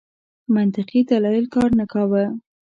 منطقي دلایل کار نه کاوه.